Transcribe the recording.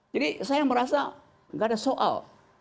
jadi saya merasa nggak ada soal